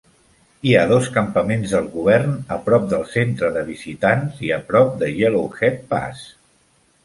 Hi ha dos campaments del govern a prop del Centre de Visitants i a prop de Yellowhead Pass.